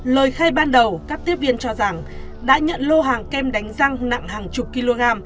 lời khai ban đầu các tiếp viên cho rằng đã nhận lô hàng kem đánh răng nặng hàng chục kg